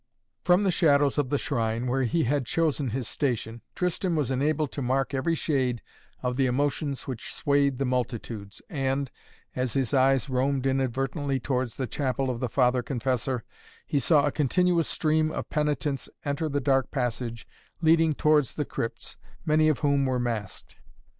From the shadows of the shrine, where he had chosen his station, Tristan was enabled to mark every shade of the emotions which swayed the multitudes and, as his eyes roamed inadvertently towards the chapel of the Father Confessor, he saw a continuous stream of penitents enter the dark passage leading towards the crypts, many of whom were masked.